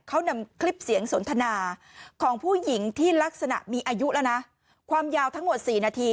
เขานำคลิปเสียงสนทนาของผู้หญิงที่ลักษณะมีอายุแล้วนะความยาวทั้งหมดสี่นาที